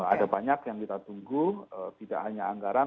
ada banyak yang kita tunggu tidak hanya anggaran